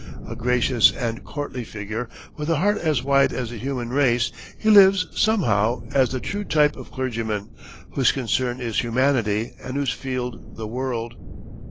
A gracious and courtly figure, with a heart as wide as the human race, he lives, somehow, as the true type of clergyman, whose concern is humanity and whose field the world.